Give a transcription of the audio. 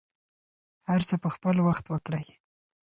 هر څه په خپل وخت وکړئ.